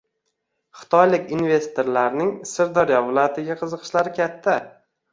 Xitoylik investorlarning Sirdaryo viloyatiga qiziqishlari katta